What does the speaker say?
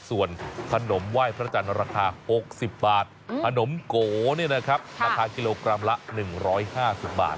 ส่วนขนมไหว้พระจันทร์ราคาหกสิบบาทขนมโก๋เนี้ยนะครับค่ะราคากิโลกรัมละหนึ่งร้อยห้าสุดบาท